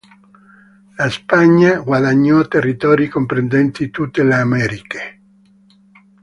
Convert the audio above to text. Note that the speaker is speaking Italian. La Spagna guadagnò territori comprendenti tutte le Americhe.